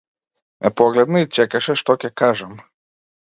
Ме погледна и чекаше што ќе кажам.